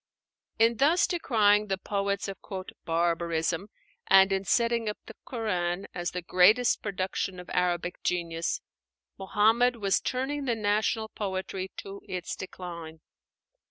'" In thus decrying the poets of "barbarism," and in setting up the 'Qur'an' as the greatest production of Arabic genius, Muhammad was turning the national poetry to its decline.